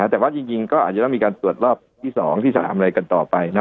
แต่ว่าจริงก็อาจจะต้องมีการตรวจรอบที่๒ที่๓อะไรกันต่อไป